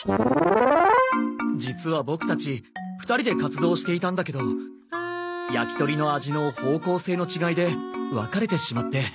実はボクたち２人で活動していたんだけどやきとりの味の方向性の違いで別れてしまって。